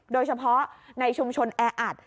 โดยเฉพาะในชุมชนแออัด